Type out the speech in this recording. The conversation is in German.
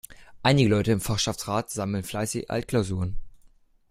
Einige Leute im Fachschaftsrat sammeln fleißig Altklausuren.